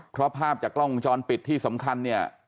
เพราะภาพจากกล้องวงจรปิดที่สำคัญเนี่ย